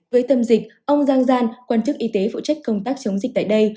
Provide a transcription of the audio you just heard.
với tâm dịch ông giang quan chức y tế phụ trách công tác chống dịch tại đây